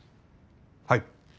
はい。